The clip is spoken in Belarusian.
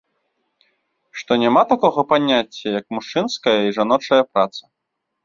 Што няма такога паняцця, як мужчынская і жаночая праца.